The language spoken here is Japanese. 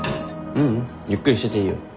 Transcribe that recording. ううんゆっくりしてていいよ。